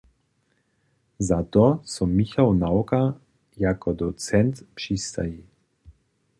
Za to so Michał Nawka jako docent přistaji.